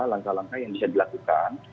langkah langkah yang bisa dilakukan